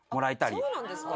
あそうなんですか。